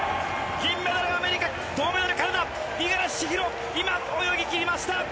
銀メダル、アメリカ、銅メダル、カナダ、五十嵐千尋、今、泳ぎ切りました。